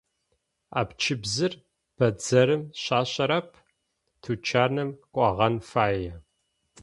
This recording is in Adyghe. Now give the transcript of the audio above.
Апчыбзыр бэдзэрым щащэрэп, тучаным кӏогъэн фае.